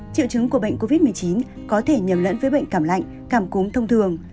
triệu chứng của bệnh covid một mươi chín có thể nhầm lẫn với bệnh cảm lạnh cảm cúm thông thường